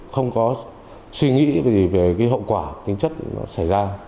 không có suy nghĩ về hậu quả tính chất xảy ra